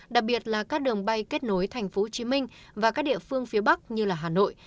đặc biệt là các đường bay kết nối tp hcm và các địa phương phía bắc như hà nội